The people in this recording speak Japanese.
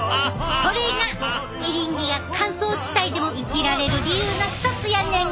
これがエリンギが乾燥地帯でも生きられる理由の一つやねん。